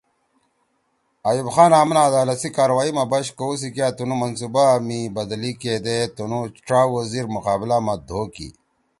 آیوب خان آمن عدالت سی کاروائی ما بش کؤ سی کیا تنُو منصوبہ می بدلی کیدے تنُو ڇا وزیر مقابلہ ما دھو کی